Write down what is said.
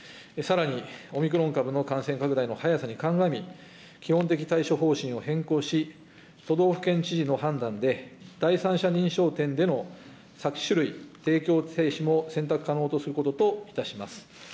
さらに、オミクロン株の感染拡大の速さにかんがみ、基本的対処方針を変更し、都道府県知事の判断で、第三者認証店での酒類提供停止も選択可能とすることといたします。